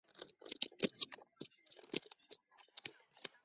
玉造是日本千叶县成田市下辖的一个町。